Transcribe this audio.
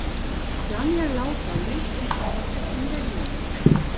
Daniel Laufer lebt und arbeitet in Berlin.